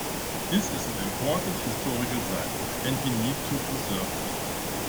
This is an important historical site, and we need to preserve it.